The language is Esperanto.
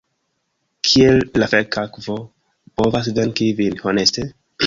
Kiel la fek' akvo povas venki vin, honeste?